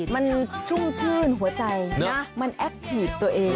มันชุ่มชื่นหัวใจนะมันแอคทีฟตัวเอง